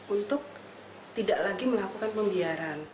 untuk tidak lagi melakukan pembiaran